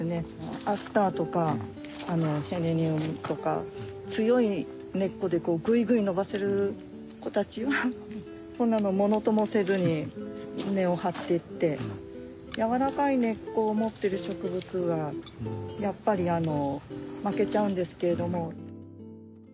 アスターとかへレニウムとか強い根っこでぐいぐい伸ばせる子たちはこんなのものともせずに根を張ってってやわらかい根っこを持ってる植物はやっぱり負けちゃうんですけれども。